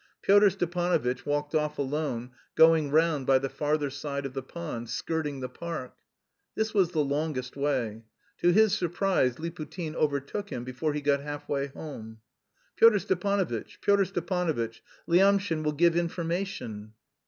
Pyotr Stepanovitch walked off alone, going round by the farther side of the pond, skirting the park. This was the longest way. To his surprise Liputin overtook him before he got half way home. "Pyotr Stepanovitch! Pyotr Stepanovitch! Lyamshin will give information!"